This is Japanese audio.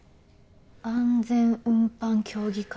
「安全運搬協議会」？